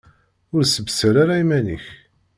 Ur ssebsal ara iman-ik!